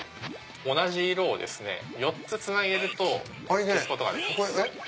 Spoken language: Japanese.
同じ色を４つつなげると消すことができます。